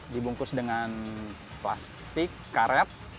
dibungkus dengan plastik karet